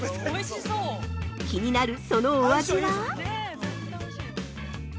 気になるそのお味は？